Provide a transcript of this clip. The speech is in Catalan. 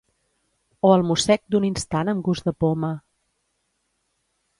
O el mossec d'un instant amb gust de poma.